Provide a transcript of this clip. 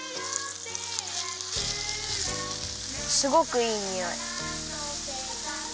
すごくいいにおい。